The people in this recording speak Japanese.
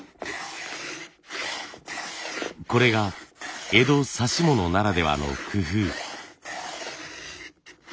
これが江戸指物ならではの工夫。